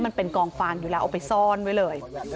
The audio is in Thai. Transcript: มันเป็นกองฟางอยู่แล้วเอาไปซ่อนไว้เลย